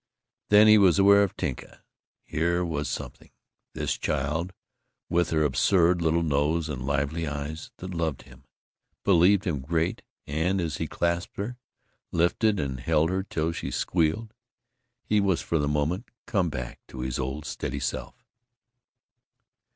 Then he was aware of Tinka. Here was something, this child with her absurd little nose and lively eyes, that loved him, believed him great, and as he clasped her, lifted and held her till she squealed, he was for the moment come back to his old steady self.